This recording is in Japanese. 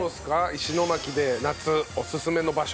石巻で夏おすすめの場所。